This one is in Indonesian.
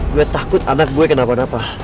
gue takut anak gue kenapa napa